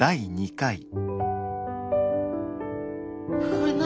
これ何？